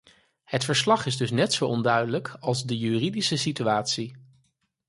Het verslag is dus net zo onduidelijk als de juridische situatie.